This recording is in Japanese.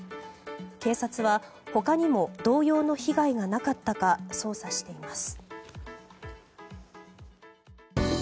警察は他にも同様の被害がなかったか捜査しています。